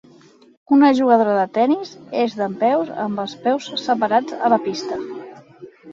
Una jugadora de tennis és dempeus amb els peus separats a la pista.